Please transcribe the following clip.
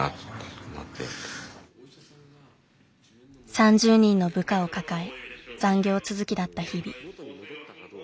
３０人の部下を抱え残業続きだった日々。